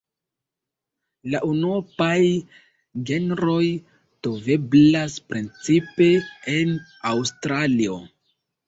La unuopaj genroj troveblas precipe en Aŭstralio.